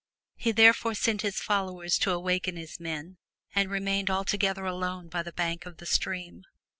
He therefore sent his followers to awaken his men and remained altogether alone by the bank of the stream.